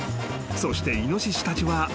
［そしてイノシシたちは］